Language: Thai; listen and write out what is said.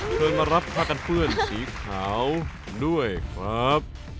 เชิญมารับผ้ากันเปื้อนสีขาวด้วยครับ